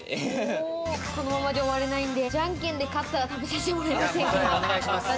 このままじゃ終われないんで、じゃんけんで勝ったら食べさせてもらえませんか？